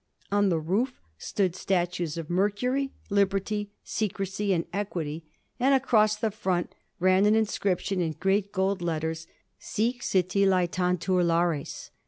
On the roof stood statues of Mercury, Liberty, Secrecy, and Equity, and across the front ran an inscription in great gold letters, ^ Sic Siti LcBtaviur Larea.